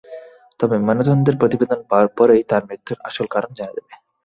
তবে ময়নাতদন্তের প্রতিবেদন পাওয়ার পরই তাঁর মৃত্যুর আসল কারণ জানা যাবে।